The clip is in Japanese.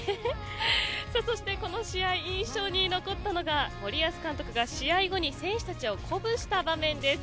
そしてこの試合印象に残ったのが森保監督が試合後に選手たちを鼓舞した場面です。